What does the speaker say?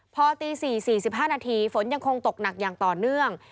พอตี๔๔๕นาทีฝนยังคงตกหนักอย่างต่อเนื่อง